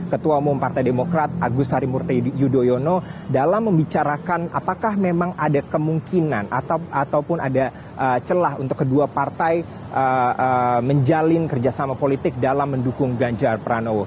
ketua umum partai demokrat agus harimurti yudhoyono dalam membicarakan apakah memang ada kemungkinan ataupun ada celah untuk kedua partai menjalin kerjasama politik dalam mendukung ganjar pranowo